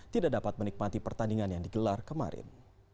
tidak dapat menikmati pertandingan yang digelar kemarin